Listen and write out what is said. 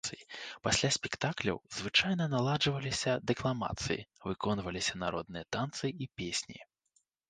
Пасля спектакляў звычайна наладжваліся дэкламацыі, выконваліся народныя танцы і песні.